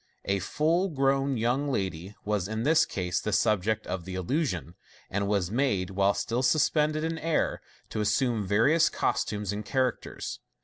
A full grown young lady was in this case the subject of the illusion, and was made, while still suspended in air, to assume various costumes and characters.